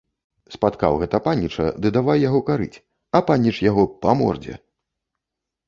Спаткаў гэта паніча ды давай яго карыць, а паніч яго па мордзе.